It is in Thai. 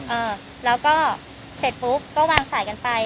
เออแล้วก็เสร็จปุ๊บก็วางสายกันไป